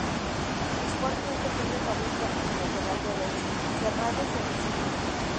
Dispone de un pequeño cabildo en el lateral derecho, cerrado sobre sí mismo.